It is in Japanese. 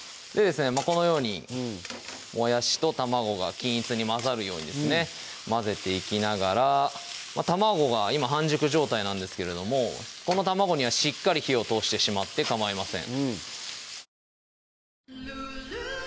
このようにもやしと卵が均一に混ざるようにですね混ぜていきながら卵が今半熟状態なんですけれどもこの卵にはしっかり火を通してしまってかまいません